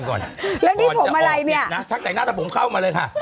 ก่อนจะออกนี่ชักใจหน้าตะผมเข้ามาเลยค่ะ